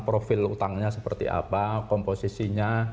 profil utangnya seperti apa komposisinya